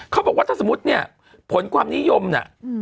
เขาบอกว่าถ้าสมมุติเนี่ยผลความนิยมน่ะ